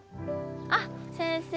あっ先生